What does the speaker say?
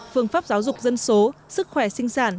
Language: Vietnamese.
phương pháp giáo dục dân số sức khỏe sinh sản